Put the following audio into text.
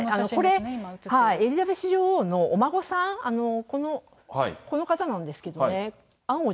エリザベス女王のお孫さん、この方なんですけどね。